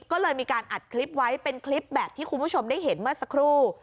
ก็เลยมีการอัดคลิปไว้เป็นคลิปแบบที่คุณผู้ชมได้เห็นเมื่อสักครู่